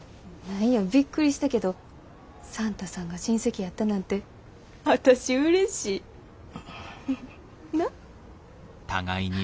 何やびっくりしたけどサンタさんが親戚やったなんて私うれしい！